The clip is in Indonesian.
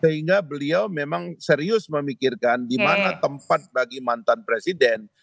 sehingga beliau memang serius memikirkan di mana tempat bagi mantan presiden